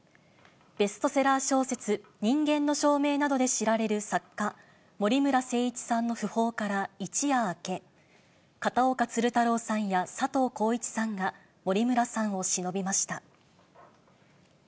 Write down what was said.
ベストセラー小説、人間の証明などで知られる作家、森村誠一さんの訃報から一夜明け、片岡鶴太郎さんや佐藤浩市さんが、森村さんをしのびました。